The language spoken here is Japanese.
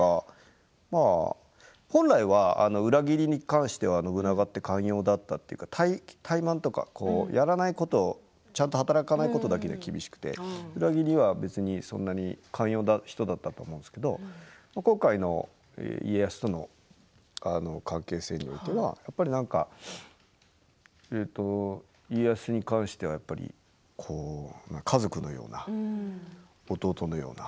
本来は裏切りに関しては信長って寛容だったというか怠慢とかやらないことちゃんと働かないことだけ厳しくて裏切りは別にそんなに寛容な人だったと思うんですけど今回の家康との関係性によっては家康に関しては家族のような弟のような